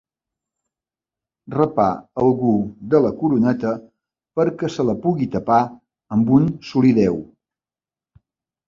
Rapar algú de la coroneta perquè se la pugui tapar amb un solideu.